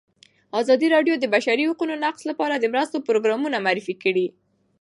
ازادي راډیو د د بشري حقونو نقض لپاره د مرستو پروګرامونه معرفي کړي.